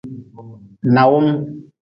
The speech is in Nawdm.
Nawm.